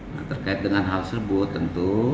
nah terkait dengan hal tersebut tentu